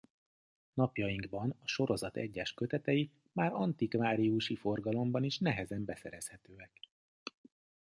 Napjainkban a sorozat egyes kötetei már antikváriusi forgalomban is nehezen beszerezhetőek.